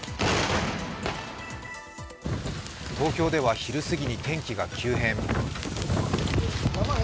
東京では昼過ぎに天気が急変。